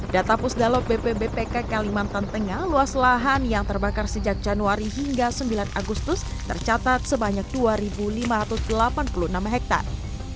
data pusdalo bpbpk kalimantan tengah luas lahan yang terbakar sejak januari hingga sembilan agustus tercatat sebanyak dua lima ratus delapan puluh enam hektare